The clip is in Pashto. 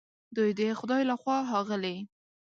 دوی د خدای له خوا ښاغلي